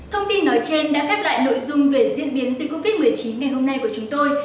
thông tin nói trên đã khép lại nội dung về diễn biến dịch covid một mươi chín ngày hôm nay của chúng tôi